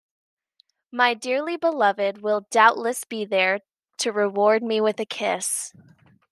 My dearly beloved will doubtless be there to reward me with a kiss.